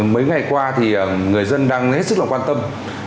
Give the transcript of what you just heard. mấy ngày qua thì người dân đang hết sức là quan tâm